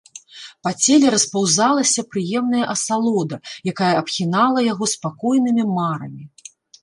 Па целе распаўзалася прыемная асалода, якая абхінала яго спакойнымі марамі.